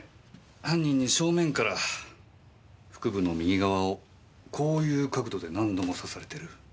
犯人に正面から腹部の右側をこういう角度で何度も刺されてる。